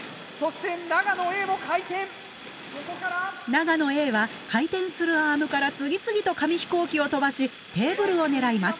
長野Ａは回転するアームから次々と紙飛行機を飛ばしテーブルを狙います。